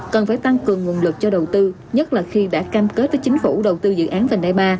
cần phải tăng cường nguồn lực cho đầu tư nhất là khi đã cam kết với chính phủ đầu tư dự án vành đai ba